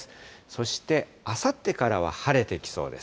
そしてあさってからは晴れてきそうです。